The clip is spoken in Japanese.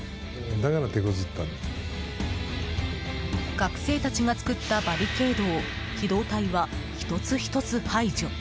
学生たちが作ったバリケードを機動隊は１つ１つ排除。